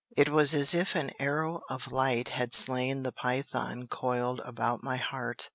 It was as if an arrow of light had slain the Python coiled about my heart.